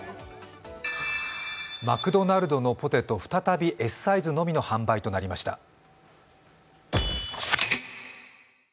マクドナルドのポテト、再びＳサイズのみの販売となりました。